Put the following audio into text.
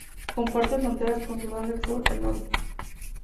Comparte fronteras con Sudán del Sur al norte.